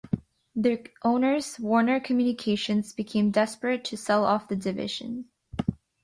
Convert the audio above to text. Their owners, Warner Communications, became desperate to sell off the division.